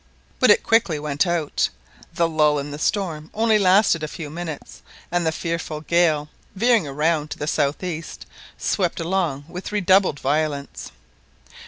But it quickly went out, the lull in the storm only lasted a few minutes, and the fearful gale, veering round to the south east, swept along with redoubled violence.